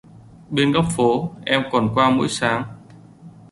Bên góc phố em còn qua mỗi sáng